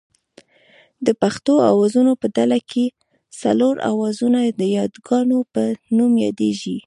د پښتو آوازونو په ډله کې څلور آوازونه د یاګانو په نوم یادېږي